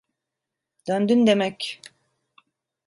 Döndün demek.